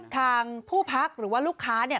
ทางผู้พักหรือว่าลูกค้าเนี่ย